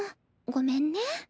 ごめんね。